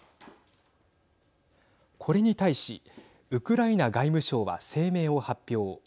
これに対しウクライナ外務省は声明を発表。